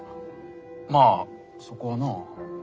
まあそこはな。